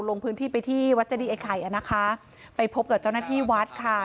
ลงพื้นที่ไปที่วัดเจดีไอ้ไข่อ่ะนะคะไปพบกับเจ้าหน้าที่วัดค่ะ